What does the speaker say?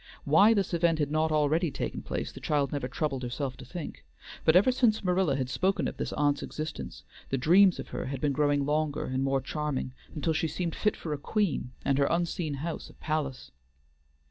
Why this event had not already taken place the child never troubled herself to think, but ever since Marilla had spoken of this aunt's existence, the dreams of her had been growing longer and more charming, until she seemed fit for a queen, and her unseen house a palace.